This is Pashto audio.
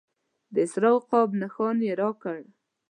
د سره عقاب نښان یې راکړ.